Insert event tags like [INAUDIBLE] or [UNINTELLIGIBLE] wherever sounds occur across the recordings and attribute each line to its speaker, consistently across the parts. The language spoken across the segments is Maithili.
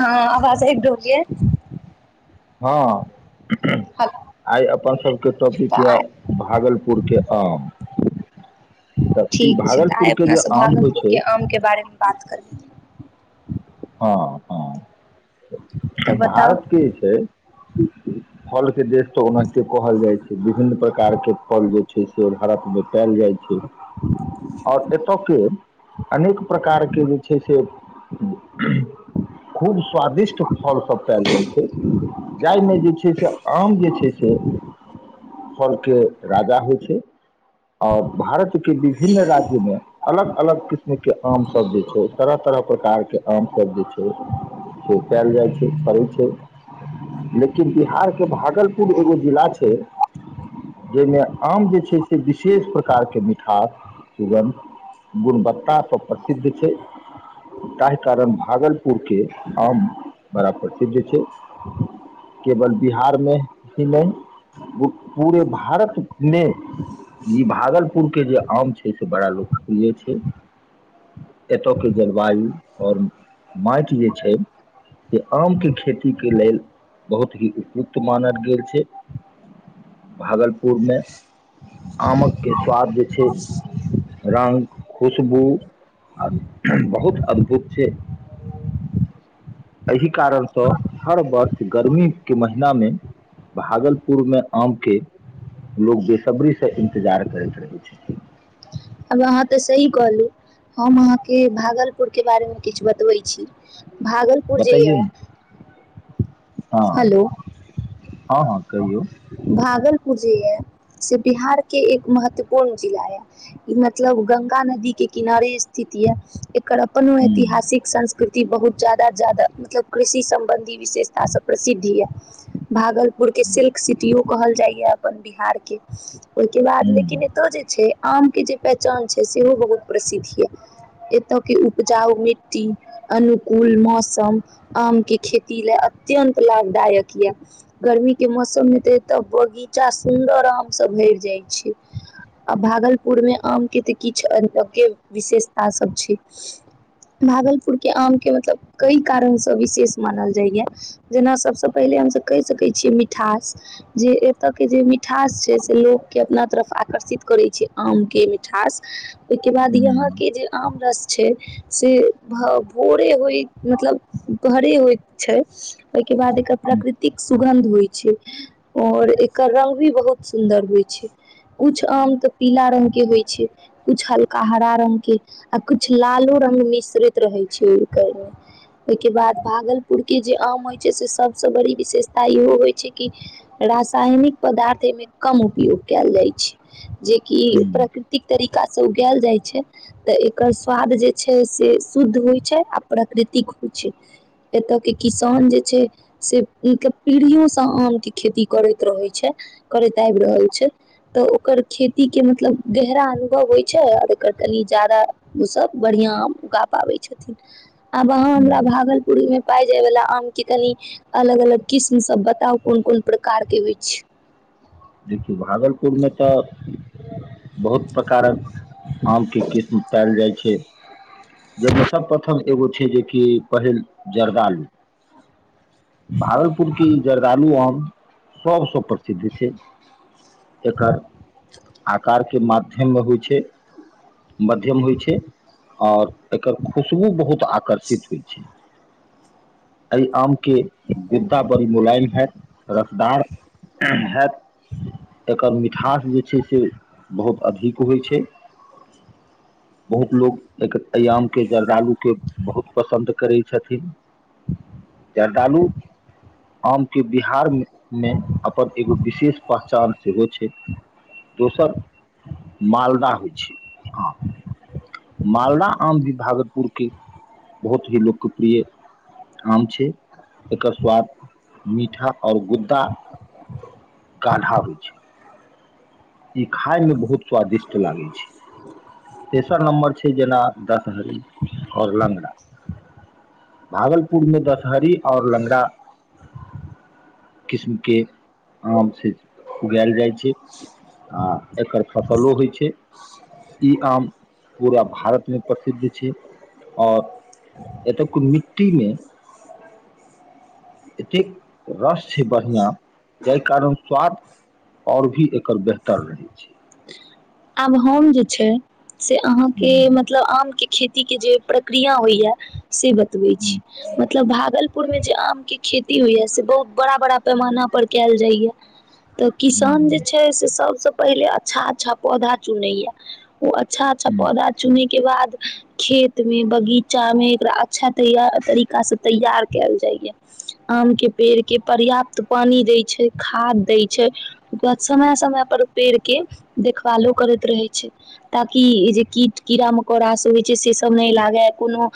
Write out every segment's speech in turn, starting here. Speaker 1: हँ आवाज एक ोगए।
Speaker 2: हँ।
Speaker 1: हेलो
Speaker 2: आइ अपन सभके
Speaker 1: तऽ
Speaker 2: टॉपिक यए
Speaker 1: आइ
Speaker 2: भागलपुरके आम। तऽ ई
Speaker 1: ठीक छै तऽ
Speaker 2: भागलपुर
Speaker 1: आइ
Speaker 2: के
Speaker 1: अपना
Speaker 2: जे
Speaker 1: सब
Speaker 2: आम होइ
Speaker 1: भागलपुर
Speaker 2: छै
Speaker 1: के आम के बारे मे बात कर [UNINTELLIGIBLE]
Speaker 2: हँ
Speaker 1: तऽ
Speaker 2: हँ।
Speaker 1: बताउ
Speaker 2: भारतके जे छै फलके देश तऽ ओनाके कहल जाइत छै विभिन्न प्रकारके फल जे छै से भारत देखायल जाइ छै। आओर एतय के अनेक प्रकारके जे छै से खूब स्वादिष्ट फल सब पायल जाइ छै जाहिमे जे छै आम जे छै से फल के राजा होइ छै आओर भारत के विभिन्न राज्य मे अलग अलग किस्म के आम सब जे छै तरह तरह प्रकार के आम सब जे छै से पायल जाइ छै पड़ै छै लेकिन बिहार के भागलपुर एगो जिला छै जाहिमे आम जे छै से विशेष प्रकार के मिठास सुगंध गुणवत्ता सब प्रसिद्ध छै ताहि कारण भागलपुर के आम बड़ा प्रसिद्ध छै। केवल बिहारमे ही नहि पूरे भारतमे ई भागलपुर के जे आम छै से बड़ा लोकप्रिय छै एतय के जलवायु आओर माटि जे छै से आमके खेतीीक के लेल बहुत ही उपयु्त मानल गेल छै भागलपुर मे आमक के स्वाद जे छै रंगग खुशबू आ बहुत अद्भुत छै। एहि कारणसँ हर वर्ष गर्मीके महीनामे भागलपुरमे आमके लोक बेसब्रीसँ इन्तजार करैत रहै छथिन।
Speaker 1: आब अहाँ तऽ सही कहलू हम अहाँके भागलपुरके बारेमे किछु बतबै छी। भागलपुर
Speaker 2: बतैयौ
Speaker 1: जिलिया
Speaker 2: ने हँ
Speaker 1: हेलो
Speaker 2: हँ हँ कहियौ
Speaker 1: भागल जे ये से बिहार के एक महत्वपूर्ण जिला ये मतलब गंगा नदी के किनारे स्थित ये एकर अपनो
Speaker 2: हूँ
Speaker 1: ऐतिहासिक संस् ृति बहुत जा्यदा जादा मतलब कृषि सम्बन्धी विशेषता सब प्रसिद्धि यै भागलपुर बुरके
Speaker 2: हूँ
Speaker 1: सिल्क सिटियो कहल जाइया अपन बिहार के। ओहिके बाद लेकिन
Speaker 2: हूँ
Speaker 1: एतौ जे छै आम के जे पहचान छै सेहो बहुत प्रसिद्ध ये एतय के उपजाउ मिट्टी अनुकूल मौसम आम के खेती ले अत्यंत लाभदायक यए गर्मी के मौसम मे तऽ एत बगीचा सुन्दर आम सब भरि जाइ छै आ भागलपुर मे आम के तऽ किछु अ के विशेषता सब छै भागलपुर के आम के मतलब कई कारणसँ विशेष मानल जाइया। जेना सभसँ पहिले हमसभ कहि सकै छियै मिठास जे एतयके जे मिठास छै से लोकके अपना तरफ आकर्षित करै छै आमके मिठास ओहिके बाद
Speaker 2: हूँ
Speaker 1: यहाँके जे आम रस छै से भ भोरे होय मतलब भरे होइत छै। ओहिके बाद एकर
Speaker 2: हूँ
Speaker 1: प्रकृतिक सुगंध होइ छै और एकर रंग भी बहुत सुन्दर होइ छै कुछ आम तऽ पीला रंग के होइ छै कुछ हल्का हरा रंग के आ कुछ लालो रंगग मिश्रित रहे छै मे ओहिके बाद भागलपुर के जे आम हो सबस बड़ी विशेषता इहो होइ छै कि रसायनिक पदार्थ एहिमे कम उपयोग कयल जाइ छै। जेकी
Speaker 2: हूँ
Speaker 1: प्रकृतिक तर ु्का से उगायल जाय छै तऽ एकर स्वाद जे छै से शुद्ध होइ छै आ प्रकृतिक होइ छै एतय के किसान जे खब रहल ओ ख मतब गहरा अ होइ छै जा ओ बढ़
Speaker 2: हूँ।
Speaker 1: भुर के कनि अलग अलग किस्म सब बताउ कोन कोन प्रकार के होइ
Speaker 2: देखियौ भागलपुरमे तऽ बहुत प्रकारक आमके किस्मत पल जाइ छै। जाहिमे सभप्रथम एगो छै जेकि पहिल जर्दालु भागलपुर के ई जर्दालु आम सभसँ प्रसिद्ध छै। एकर आक के माध्यममे होइ छै मध्यम होइ छै आओर एकर खुशबू बहुत आकर्षित होइ छै। एहि आम के विवधा बड़ी मुलायम हैत रसदार हैत
Speaker 1: ह।
Speaker 2: एकर मिठास जे छै से बहुत अधिक होइ छै बहुत लोकोग एक एहि आम के जर्दालु के बहुत पसन्द करै छथिन जर्दालु आम के बिहार मे अपन एगो विशेष पहचान सेहो छै दोसर मालदा होइ छै आम मालदाह आम भी भागलपुरके बहुत ही लोकप्रिय आम छै एकर स्वाद मीठा आओर गुद्दा गाढ़ा होइ छै। ई खायमे बहुत स्वादिष्ट लागै छै तेसर नम्बर छै जेना दशहरी आओर लगरा भागलपुरमे दशहरी आओर ल्गरा किस्मके आम छै उगायल जाइ छै आ एकर फसलो होइ छै ई आम पूरा भारतमे प्रसिद्ध छै आओर एतयक मिट्टीमे एतेक रस छै बढ़िआँ जाहि कारण स्वाद आओर भी एकर बेहतर रहै छै।
Speaker 1: आब हम जे छै से अहाँके
Speaker 2: हुं,
Speaker 1: मतलब आम के खेती के जे प्रक्रिया होइया से बतबै छी
Speaker 2: हुं,
Speaker 1: मतलब भागल भपुरमे जे आमके खेती होइए से बहुत बड़ा बड़ा पैमाना पर कयल जाइएा। तऽ किसान जे छै से सभसँ पहिल अच्ाच्छा पौधा चुनैया ओ अच्छा अच्छा
Speaker 2: हुं,
Speaker 1: पौधा चुने के बाद खेत मे बगीचा मे एकरा अच्छा तैय तरीका से तैयार कयल जाइया आम के पेड़ के पर्याप्त पानी दै छै खाद दै छै ओकर बाद समय समय पर पेड़ के देखभालो करैत रहे छै ताकि जे कीट कीड़ा मकोड़ा से होइ छै से सब नहि लागे कोनो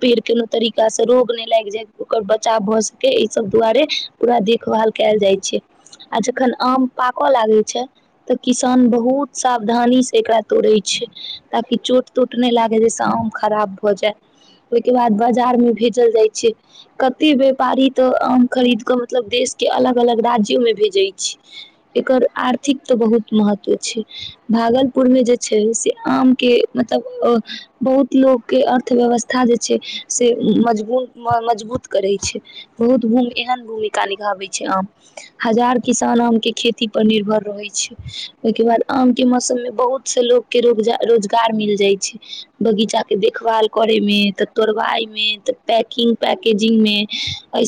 Speaker 1: पेड़ कोनो तरीका से रोग नहि लागि जाय ओकर बचाव भए सके ई सब दुआारे पूरा देखभाल कयल जाय छै आ जखन आम पाकऽ लागे छै तऽ किसान बहुत बहुत सावधानी से एकरा तोड़े छै ताकि चोट तोट नहि लागे जाहिस आम खराब भ जाय ओहिके बाद बाजार में भेजल जाय छै कते व्यापारी तऽ आम खरीद के मतलब देश के अलग अलग राज्यो में भेजे छै एकर आर्थिक तऽ बहुत महत्व भागलपुर मे जे छै से आम के मतलब बहुत लोक के अर्थव्यवस्था जे छै से मजबून मजबूत करै छै बहुतू एहन भूमिका निभाबै छै आम हजार किसान आम के खेती पर निर्भर रहै छै। ओहिके बाद आम के मौसम में बहुत से लोग के रोज रोजगार मिल जाय छै बगीचा के देखभाल करे में त तोड़वााय में त पैकिंग पैकेजिंग में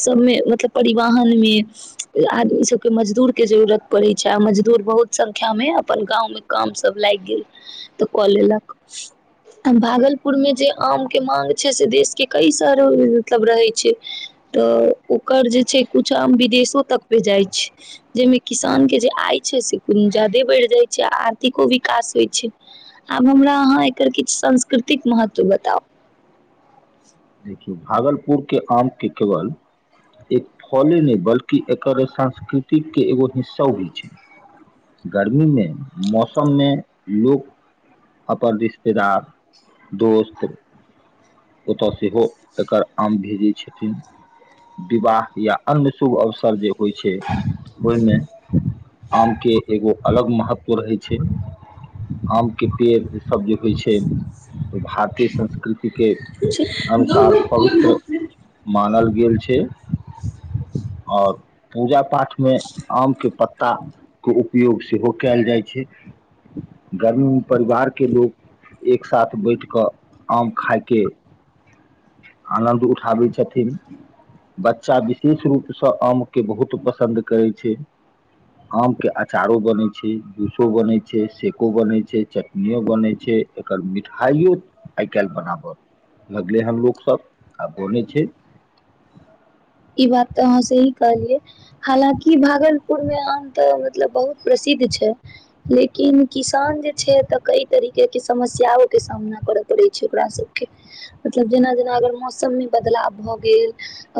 Speaker 1: सब मे मतलब परिवहन में आदमी सब के मजदूर के जरुररत पड़े छै आ मजदूर बहुत संख्या मे अपन गाँव में काम सब लागि गेल तऽ कऽ लेलक। भागलपुर में जे आम के मांग छै से देश के कैस मतलब रहै छै। तऽ ओकर जे छै कुछ आम विदेशो तक पे जाइ छै जाहिमें किसान के जे आय छै से कोनो जाादे बढ़ि जाइ छै आर्थिको विकास होइ छै आब हमरा अहाँ एकर किछु सांस्कृतिक महत्व बताउ।
Speaker 2: देखियौ भागलपुर के आम के केवल एक फले नहि बल्कि एकर सांस्कृतिक के एगो हिस्सा भी छै। गर्मी मे मौसम मे लोक अपन रिश्तेदार दोस्त ओतऽ सेहो एकर आम भेजै छथिन विवाह या अन््य शुभ अवसर जे होइ छै ओहिमे -आम के एगो अलग महत्व। रहै छै आम के पेड़। [UNINTELLIGIBLE] सभ जे होइ छै ओ भारतीय संस्कृतिके। [UNINTELLIGIBLE] अनुसार पवित्र मानल गेल छै आओर पूजा पाठ मे आम के पत्ता के उपयोग सेहो कयल जाइ छै गर्मी को परिवार के लोकोग एक सााथ बैठ कऽ आम खाायके आनन्द उठाबी छथि। थम। बच्चा विशेष रूपसँ आमके बहुत पसन्द करैत छै आमके अचारो बनैत छै जूसो बनै छै सेको बनै छै चटनिो बनै छै एकर मिठाइो आइ काल्हि बनाबऽ। लगले हन लोकग सब आ बोलै छै। [UNINTELLIGIBLE]
Speaker 1: ई बात तऽ अहाँ से ही कहलियै हालकि भागलपुर मे आम तऽ मतलब बहुत प्रसिद्ध छै लेकिन किसान जे छै तऽ कई तरीके के समस्यं के सामना करऽ पड़े छै ओकरा सबके मतलब जेना- जेना अगर मौसम मे बदलाव भऽ गेल।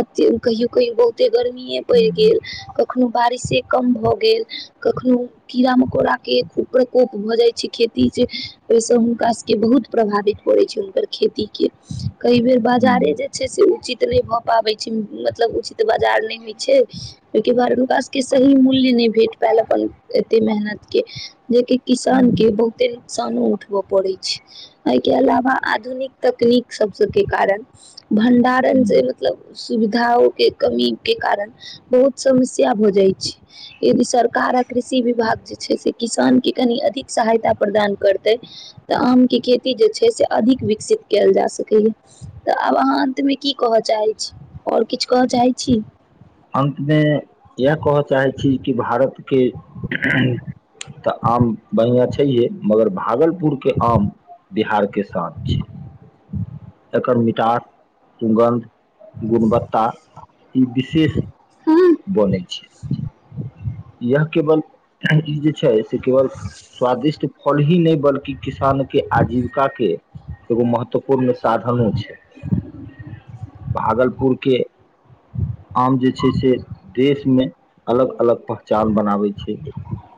Speaker 1: [UNINTELLIGIBLE] कहियो -कहियो बहुत। गर्मीे पड़ि
Speaker 2: हूं
Speaker 1: गेल कखनो बारिशे। [UNINTELLIGIBLE] कम भऽ गेल कखनो कीड़ा मकोड़ा के खूब प्रकोप भऽ जाइत छै खेती जे ओहिसँ हुनका सभके बहुत प्रभावित पड़ैत छै हुनकर खेतीीक के। [UNINTELLIGIBLE] कई बेर
Speaker 2: हूं
Speaker 1: बाजारे जे छै से उचित नहि भए पाबे छै। [UNINTELLIGIBLE] मतलब उचित बाजार नहि होइ छै ओहिके बारे हुनका। के सही मूल्य नहि भेट पायल अपन एते मेहनत के जेक किसान
Speaker 2: हूं
Speaker 1: के बहुते नुकसानो उठबऽ पड़े छै एहि के अलावा आधुनिक तकनीक सब -सब के कारण भंडारण
Speaker 2: हूं
Speaker 1: जे मतलब। सुविधाओे कमीके कारण बहुत समस्या भऽ जाइत छै यदि सरकार आ कृषि विभाग जे छै से किसानके कनि अधिक सहायता प्रदान करतै तऽ आमके खेती जे छै से अधिक विकसित कयल जा सकैए तऽ आब अहाँ अन्तमे की कहय चाहैत छी। आओर किछु कर चइ छी। [UNINTELLIGIBLE]
Speaker 2: अन्तमे इएह कहऽ चाहै छी कि भारत- के तऽ आम बढ़िआं छैहे मगर भागलपुर। पुर के आम बिहार के शान छै। [UNINTELLIGIBLE]
Speaker 1: हं। [UNINTELLIGIBLE]
Speaker 2: एकर मिठास सुगन्ध। [UNINTELLIGIBLE] गुणवत्ता ई विशेष- बनै छै। [UNINTELLIGIBLE]
Speaker 1: हं। [UNINTELLIGIBLE]
Speaker 2: यह केवल जे। [UNINTELLIGIBLE] छै से केवल स्वादिष्ट फल ही नहि बल्कि किसान के आजीविका के। [UNINTELLIGIBLE] एगो महत्व। [UNINTELLIGIBLE] पुर मे साधनो छै भागलपुर। [UNINTELLIGIBLE] के। [UNINTELLIGIBLE] आम जे छै से देशमे अलग- अलग पहचान बनाबै छै। [UNINTELLIGIBLE]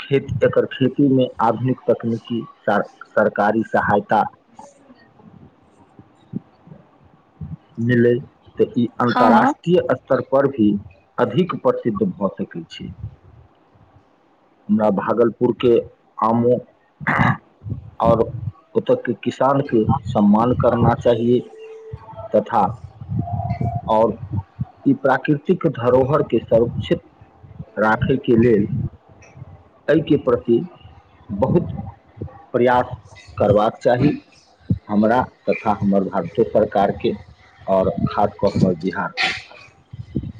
Speaker 2: खेत एकर खेतीमे आधुनिक तकनीकी सरकारी सहायता। [UNINTELLIGIBLE] इनले। [UNINTELLIGIBLE] तऽ ई
Speaker 1: हँ हँ
Speaker 2: अन्तर्राष्ट्रीय स्तर पर भ। [UNINTELLIGIBLE] अधिक प्रसिद्ध भऽ सकै छै- हमरा भागलपुर के आमो -और ओत के। किसानके सम्मान करना चाहिए। [UNINTELLIGIBLE] था -और ई प्राकृतिक। धरोहर के संरक्षित। [UNINTELLIGIBLE] राखयके लेल एहिके प्रति बहुत प्रयास करबाक चाही हमरा तथा हमर भारतो सरकारके। आओर खाट कऽ हमर बिहार।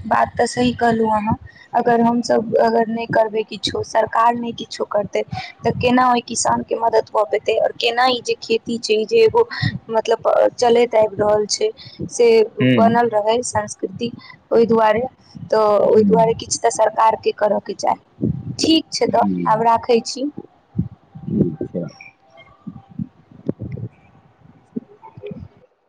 Speaker 1: बात तऽ सही कहलहु अहाँ अगर हमसभ अगर नहि करबै किछो सरकार नहि किछो करतै तऽ केना ओहि किसान के मदद कऽ पेतै आओर केना ई जे खेती छै ई जे एगो मतलब चलैत आबि रहल छै से
Speaker 2: के हुं
Speaker 1: बनल रहै सं कृति। [UNINTELLIGIBLE] ओहि दुआरे। [UNINTELLIGIBLE] तऽ ओहि दुआरे
Speaker 2: हुं
Speaker 1: किछु तऽ सरकार ी कर के चइ। ठीक छै तऽ
Speaker 2: जी
Speaker 1: आब राखै छी।
Speaker 2: ठीक छै [INAUDIBLE]